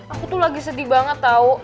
aku tuh lagi sedih banget tau